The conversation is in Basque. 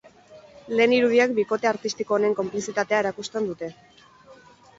Lehen irudiek bikote artistiko honen konplizitatea erakusten dute.